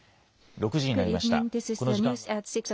６時になりました。